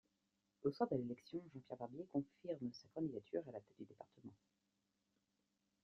Au soir de l'élection, Jean-Pierre Barbier confirme sa candidature à la tête du département.